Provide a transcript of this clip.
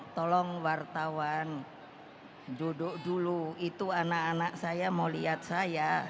tolong wartawan duduk dulu itu anak anak saya mau lihat saya